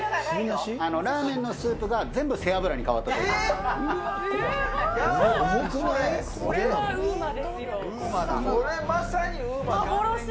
ラーメンのスープが全部背脂に変わっております。